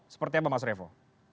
seperti apa mas revo